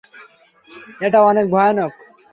এটা অনেক ভয়ানক।